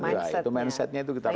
itu mindsetnya itu kita ubah